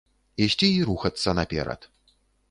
Ісці і рухацца наперад.